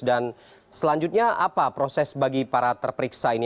dan selanjutnya apa proses bagi para terperiksa ini